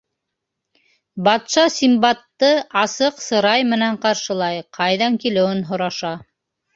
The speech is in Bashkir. Батша Синдбадты асыҡ сырай менән ҡаршылай, ҡайҙан килеүен һораша.